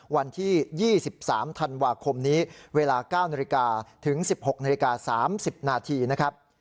วันที่๒๓ธันวาคมนี้เวลา๙นถึง๑๖น๓๐นนะครับ